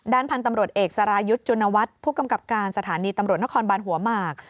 พันธุ์ตำรวจเอกสรายุทธ์จุนวัฒน์ผู้กำกับการสถานีตำรวจนครบานหัวหมาก